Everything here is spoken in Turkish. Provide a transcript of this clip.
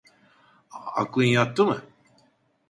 Aklın yattı mı?